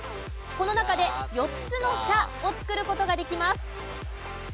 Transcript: この中で４つの「しゃ」を作る事ができます。